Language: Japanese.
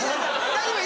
大丈夫